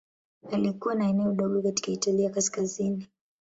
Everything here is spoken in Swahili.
Alikuwa na eneo dogo katika Italia ya Kaskazini.